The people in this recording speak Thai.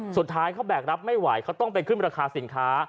สุดท้ายเขาแบกรับไม่ไหวเขาต้องไปขึ้นราคาสินค้า